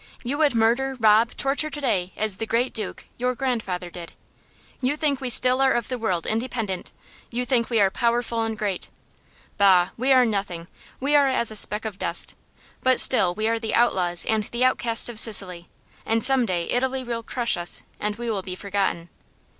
You would murder, rob, torture to day as the great Duke, your grandfather, did. You think we still are of the world independent. You think we are powerful and great. Bah! we are nothing we are as a speck of dust. But still we are the outlaws and the outcasts of Sicily, and some day Italy will crush us and we will be forgotten."